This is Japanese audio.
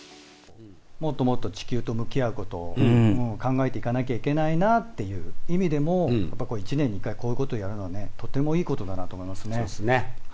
もっともっと地球と向き合うことを考えていかなきゃいけないなっていう意味でも、やっぱこう、１年に１回こういうことをやるのは、とてもいいことだなと思いまそうですね。